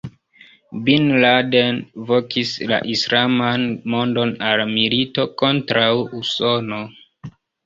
Bin Laden vokis la islaman mondon al milito kontraŭ Usono.